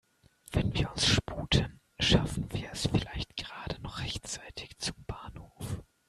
Wenn wir uns sputen, schaffen wir es vielleicht gerade noch rechtzeitig zum Bahnhof.